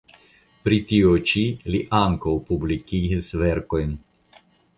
Pri tio ĉi li ankaŭ publikigis verkojn.